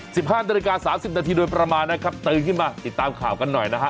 สิบห้านาฬิกาสามสิบนาทีโดยประมาณนะครับตื่นขึ้นมาติดตามข่าวกันหน่อยนะฮะ